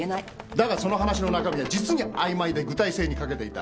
だがその話の中身は実にあいまいで具体性に欠けていた。